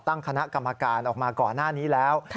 ตั้งคณะกรรมการออกมาก่อนหน้านี้แล้ว